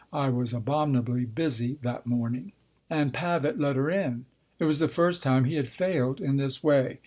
I was abominably busy that morning. And Pavitt let her in. (It was the first time he had failed in this way.)